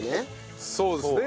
そうですね。